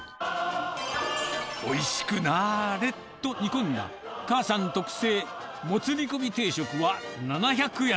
おいしくなーれと煮込んだ、母さん特製、モツ煮込み定食は７００円。